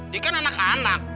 dia kan anak anak